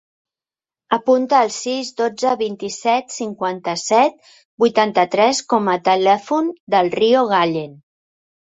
Apunta el sis, dotze, vint-i-set, cinquanta-set, vuitanta-tres com a telèfon del Rio Gallen.